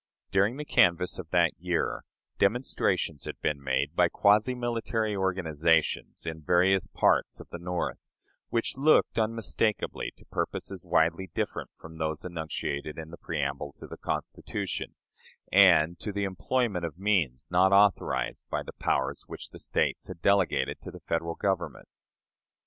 During the canvass of that year, demonstrations had been made by quasi military organizations in various parts of the North, which looked unmistakably to purposes widely different from those enunciated in the preamble to the Constitution, and to the employment of means not authorized by the powers which the States had delegated to the Federal Government.